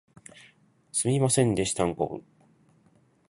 すみませんでしたんこぶ